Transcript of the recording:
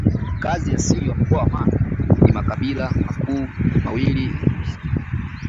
Wakazi wa asili wa Mkoa wa Mara ni makabila makuu mawili yenye uhusiano